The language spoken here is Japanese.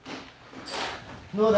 どうだ？